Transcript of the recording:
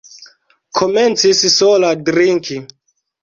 Komencis sola drinki.